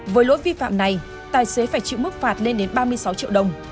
với lỗi vi phạm này tài xế phải chịu mức phạt lên đến ba mươi sáu triệu đồng